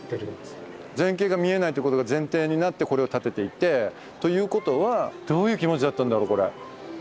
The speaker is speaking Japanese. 全景が見えないってことが前提になってこれを建てていてということはどういう気持ちだったんだろうこれ。